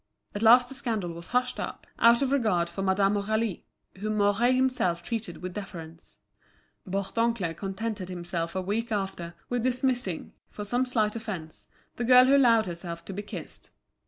At last the scandal was hushed up out of regard for Madame Aurélie, whom Mouret himself treated with deference. Bourdoncle contented himself a week after with dismissing, for some slight offence, the girl who allowed herself to be kissed.